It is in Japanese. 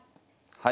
はい。